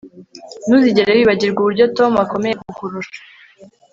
Ntuzigere wibagirwa uburyo Tom akomeye kukurusha